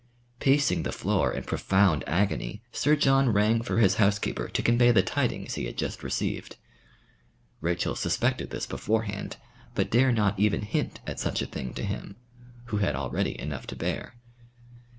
Pacing the floor in profound agony, Sir John rang for his housekeeper to convey the tidings he had just received. Rachel suspected this beforehand, but dare not even hint at such a thing to him, who had already enough to bear.